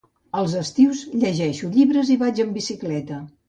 Els estius llegeixo llibres i vaig amb bicicleta.